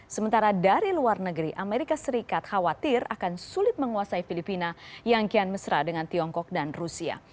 sementara dari luar negeri amerika serikat khawatir akan sulit menguasai filipina yang kian mesra dengan tiongkok dan rusia